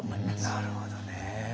なるほどね。